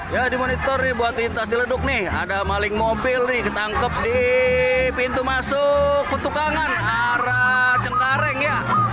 ya dimonitor nih buat tuntas di leduk nih ada maling mobil nih ketangkep di pintu masuk petukangan arah cengkareng ya